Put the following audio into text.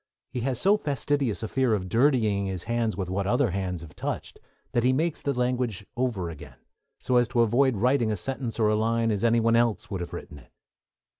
He has so fastidious a fear of dirtying his hands with what other hands have touched that he makes the language over again, so as to avoid writing a sentence or a line as any one else could have written it.